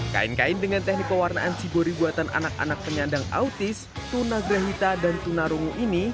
kain kain dengan teknik pewarnaan cibori buatan anak anak penyandang autis tuna grehita dan tunarungu ini